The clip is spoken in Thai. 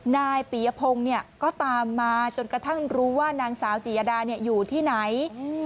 นายปียพงศ์ก็ตามมาจนกระทั่งรู้ว่านางสาวจียดาอยู่ที่ไหน